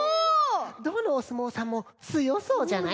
どのおすもうさんもつよそうじゃない？